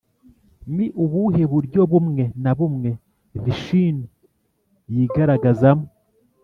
ni ubuhe buryo bumwe na bumwe vishinu yigaragazamo?